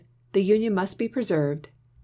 The Union must be preserved. 6.